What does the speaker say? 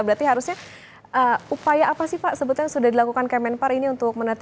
berarti harusnya upaya apa sih pak sebetulnya sudah dilakukan kemenpar ini untuk menanti